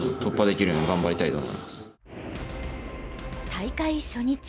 大会初日